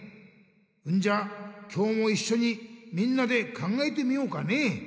んじゃ今日もいっしょにみんなで考えてみようかね？